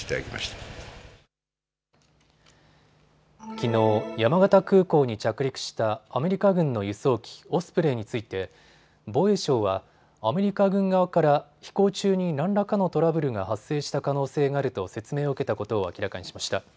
きのう山形空港に着陸したアメリカ軍の輸送機、オスプレイについて防衛省はアメリカ軍側から飛行中に何らかのトラブルが発生した可能性があると説明を受けたことを明らかにしました。